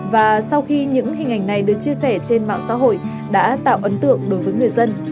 và sau khi những hình ảnh này được chia sẻ trên mạng xã hội đã tạo ấn tượng đối với người dân